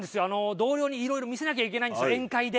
同僚にいろいろ見せなきゃいけないんですよ宴会で。